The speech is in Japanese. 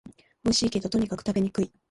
おいしいけど、とにかく食べにくい